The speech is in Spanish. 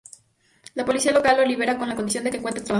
La policía local lo libera, con la condición de que encuentre trabajo.